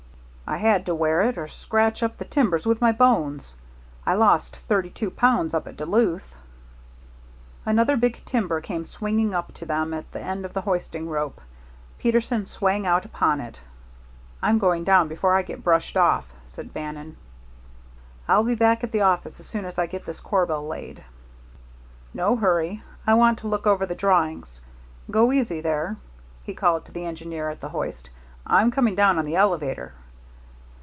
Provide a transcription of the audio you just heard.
"I had to wear it or scratch up the timbers with my bones. I lost thirty two pounds up at Duluth." Another big timber came swinging up to them at the end of the hoisting rope. Peterson sprang out upon it. "I'm going down before I get brushed off," said Bannon. "I'll be back at the office as soon as I get this corbel laid." "No hurry. I want to look over the drawings. Go easy there," he called to the engineer at the hoist; "I'm coming down on the elevator."